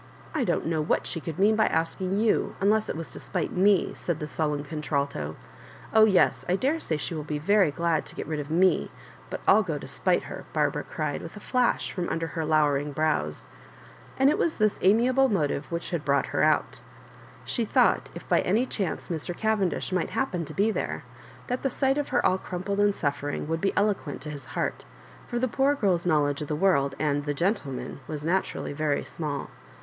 " I don^t know what she could mean by asking you, un less it was to spite me," said the sullen contralto. " Oh yes, I daresay she will be very glad to get rid of me; but I'll go to spite her," Barbara cried, with a flash from under her lowering brows; and it was this amiable motive which had brought her out She thought, if by anj chance Mr. Gavendish might happen to be there, that' the sight of her all crumpled and suffering* would be eloquent to his heart, for the poor girl's * knowledge of the world and " the gentlemen '' was naturally very small.